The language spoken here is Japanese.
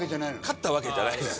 勝ったわけじゃないです